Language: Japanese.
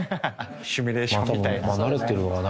シミュレーションみたいな。